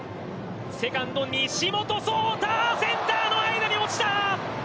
セカンド西本颯汰、センターの間に落ちた！